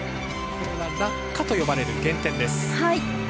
落下といわれる減点です。